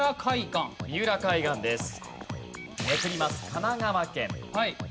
神奈川県。